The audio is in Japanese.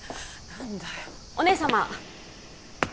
何だよお姉様